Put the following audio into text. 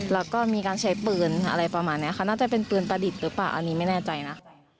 แล้วก็มีการใช้ปืนอะไรประมาณนี้ค่ะน่าจะเป็นปืนประดิษฐ์หรือเปล่าอันนี้ไม่แน่ใจนะ